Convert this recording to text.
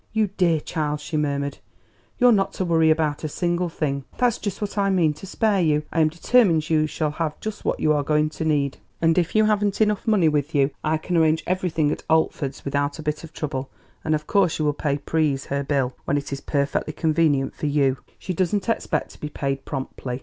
"You dear child," she murmured, "you're not to worry about a single thing. That's just what I mean to spare you. I am determined you shall have just what you are going to need; and if you haven't enough money with you, I can arrange everything at Altford's without a bit of trouble; and of course you will pay Pryse her bill when it is perfectly convenient for you. She doesn't expect to be paid promptly.